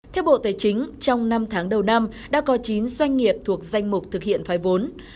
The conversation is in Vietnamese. theo bộ tài chính trong năm tháng đầu năm đã có chín doanh nghiệp thuộc danh mục thực hiện thoái vốn